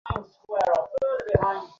আশা কহিল, কখনো না।